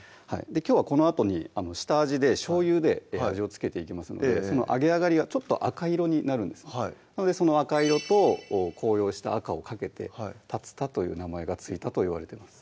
きょうはこのあとに下味でしょうゆで味を付けていきますので揚げ上がりがちょっと赤色になるんですなのでその赤色と紅葉した赤をかけて竜田という名前が付いたといわれてます